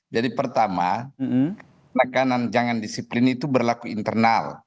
jadi pertama rekanan jangan disiplin itu berlaku internal